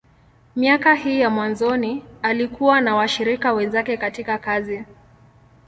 Miaka hii ya mwanzoni, alikuwa na washirika wenzake katika kazi.